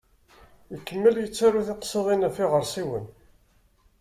Ikemmel yettaru tiqsiḍin ɣef yiɣersiwen.